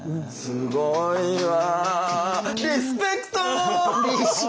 すごいわ！